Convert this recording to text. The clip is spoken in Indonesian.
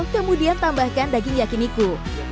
kemudian tambahkan daging yakiniku